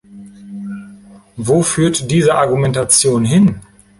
Wo führt diese Argumentation hin?